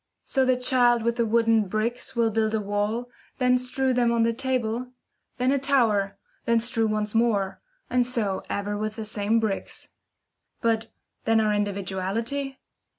So the child with the same wooden bricks will build a wall, then strew them on the table; then a tower, then strew once more, and so ever with the same bricks. But then our individuality?